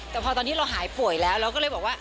แต่พอตอนที่เราหายป่วยแล้วเราก็เลยบอกว่า